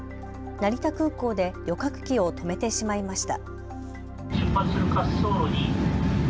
成田空港で旅客機を止めてしまいました。